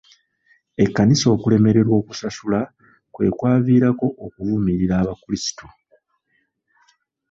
Ekkanisa okulemererwa okusasula kwe kwavirako okuvumirira abakulisitu.